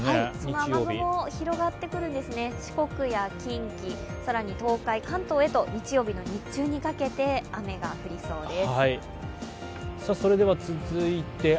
雨雲が広がってくるんですね、四国や近畿、更に東海、関東へと日曜日の日中にかけて雨が降りそうです。